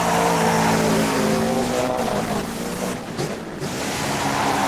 এখান থেকে সরে যা ম্যাকহারলেন।